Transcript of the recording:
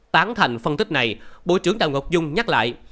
tán thành phân tích này bộ trưởng đào ngọc dung nhắc lại